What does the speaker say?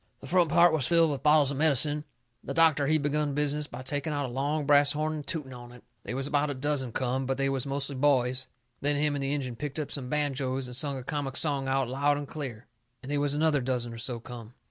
The front part was filled with bottles of medicine. The doctor, he begun business by taking out a long brass horn and tooting on it. They was about a dozen come, but they was mostly boys. Then him and the Injun picked up some banjoes and sung a comic song out loud and clear. And they was another dozen or so come.